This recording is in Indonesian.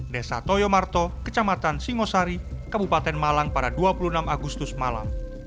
desa toyomarto kecamatan singosari kabupaten malang pada dua puluh enam agustus malam